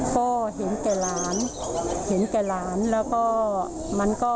ก็เห็นเก่ราะนแล้วก็